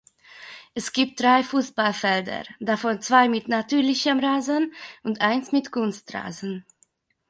Es gibt drei Fußballfelder, davon zwei mit natürlichem Rasen und eins mit Kunstrasen.